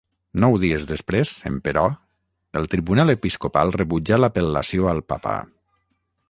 Nou dies després, emperò, el tribunal episcopal rebutjà l'apel·lació al Papa.